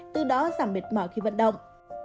từ đó giảm mệt mở khi vận động